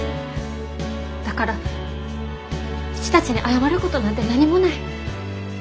だからうちたちに謝ることなんて何もない。